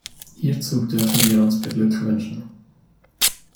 Hierzu dürfen wir uns beglückwünschen.